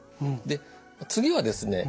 で次はですね